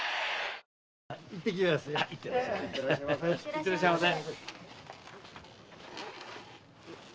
行ってらっしゃいませ。